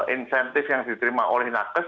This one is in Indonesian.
insentif yang diterima oleh nakes